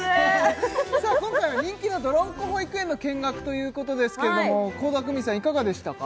今回は人気のどろんこ保育園の見学ということですけれども倖田來未さんいかがでしたか？